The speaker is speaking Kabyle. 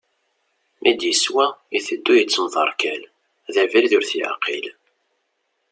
Mi d-yeswa, iteddu yettemderkal, d abrid ur t-yeɛqil.